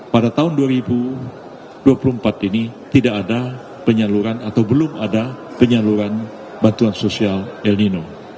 pada tahun dua ribu dua puluh empat ini tidak ada penyaluran atau belum ada penyaluran bantuan sosial el nino